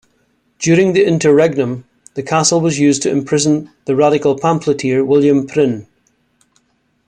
During the interregnum, the castle was used to imprison the radical pamphleteer William Prynne.